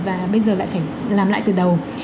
và bây giờ lại phải làm lại từ đầu